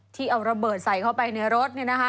ที่เอาระเบิดใส่เข้าไปในรถเนี่ยนะครับ